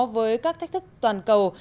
với các thách thức toàn cầu